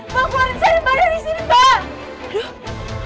mbak saya bayar disini mbak